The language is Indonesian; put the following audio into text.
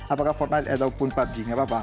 apakah fornis ataupun pubg nggak apa apa